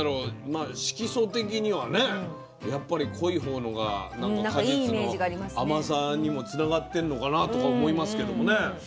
まあ色素的にはねやっぱり濃い方のが何か果実の甘さにもつながってんのかなとか思いますけどもね。